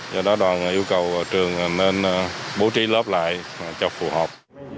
do đó đoàn yêu cầu trường nên bố trí lớp lại cho phù hợp